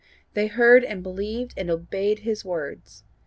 They heard and believed and obeyed his words.